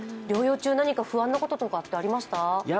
療養中何か不安なことってありましたか？